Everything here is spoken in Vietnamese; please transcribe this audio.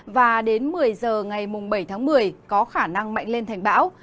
và đến một mươi giờ ngày bảy tháng một mươi có khả năng mạnh lên thành bão